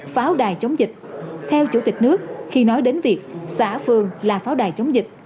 pháo đài chống dịch theo chủ tịch nước khi nói đến việc xã phường là pháo đài chống dịch